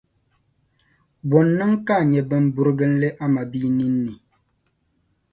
Bɔ n-niŋ ka a nya bimburiginli a mabia ninni?